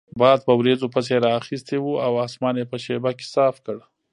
باد په وریځو پسې رااخیستی وو او اسمان یې په شیبه کې صاف کړ.